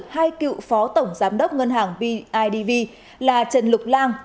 hai cựu phó tổng giám đốc ngân hàng bidv là trần lục lan